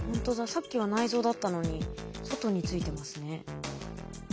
さっきは内臓だったのに外についてますね。